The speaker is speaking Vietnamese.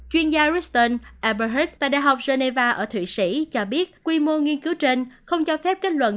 chuyên gia ruston eberhardt tại đại học geneva ở thụy sĩ cho biết quy mô nghiên cứu trên không cho phép kết luận